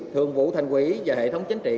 thường vụ thành quỷ và hệ thống chính trị